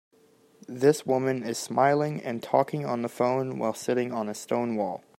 This woman is smiling and talking on the phone while sitting on a stone wall.